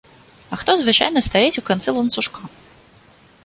А хто звычайна стаіць у канцы ланцужка?